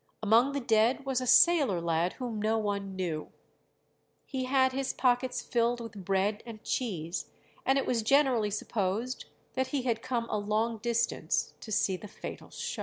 Among the dead was a sailor lad whom no one knew; he had his pockets filled with bread and cheese, and it was generally supposed that he had come a long distance to see the fatal show.